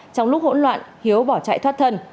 trong lúc hỗn loạn hiếu bỏ chạy thoát thân